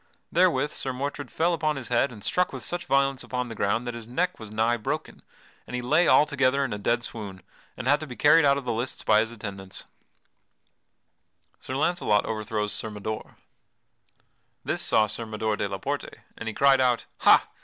Therewith Sir Mordred fell upon his head and struck with such violence upon the ground that his neck was nigh broken, and he lay altogether in a dead swoon and had to be carried out of the lists by his attendants. [Sidenote: Sir Launcelot overthrows Sir Mador] This saw Sir Mador de la Porte, and he cried out: "Ha!